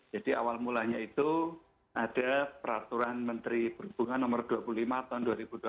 jadi awal mulanya itu ada peraturan menteri perhubungan nomor dua puluh lima tahun dua ribu dua puluh